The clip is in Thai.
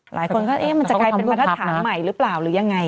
หลายคนก็เอ๊ะมันจะกลายเป็นมาตรฐานใหม่หรือเปล่าหรือยังไง